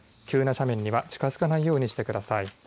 急な斜面には近づかないようにしてください。